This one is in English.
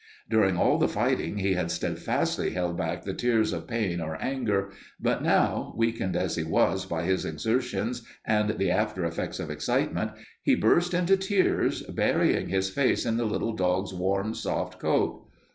During all the fighting he had steadfastly held back the tears of pain or anger, but now, weakened as he was by his exertions and the after effects of excitement, he burst into tears, burying his face in the little dog's warm, soft coat.